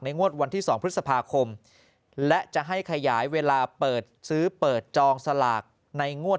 งวดวันที่๒พฤษภาคมและจะให้ขยายเวลาเปิดซื้อเปิดจองสลากในงวด